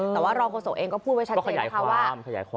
แต่ว่าเรากศเองก็พูดไว้ชัดเจนเพราะว่าว่าก็ขยายความ